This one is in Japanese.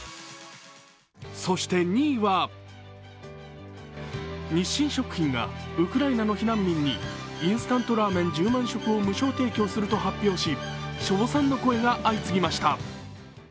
そして２位は日清食品がウクライナの避難民にインスタントラーメン１０万食を無償提供すると発表し称賛の声が相次ぎました。